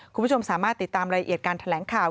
คุณผู้ชมสามารถติดตามรายละเอียดการแถลงข่าว